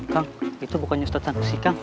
kang itu bukannya ustadz sih kang